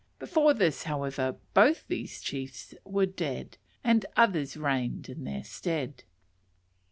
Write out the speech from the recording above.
Before this, however, both these chiefs were dead, and others reigned in their stead.